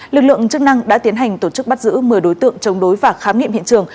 lực lượng chức năng đã tiến hành tổ chức bắt giữ một mươi đối tượng chống đối và khám nghiệm hiện trường